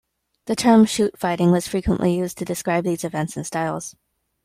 The term "shootfighting" was frequently used to describe these events and styles.